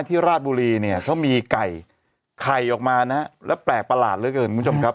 ราชบุรีเนี่ยเขามีไก่ไข่ออกมานะฮะแล้วแปลกประหลาดเหลือเกินคุณผู้ชมครับ